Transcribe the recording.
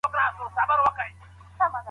زه په لندن کې د یوازیتوب احساس کوم.